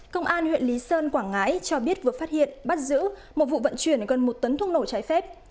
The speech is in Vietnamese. công an huyện lý sơn quảng ngãi cho biết vừa phát hiện bắt giữ một vụ vận chuyển gần một tấn thuốc nổ trái phép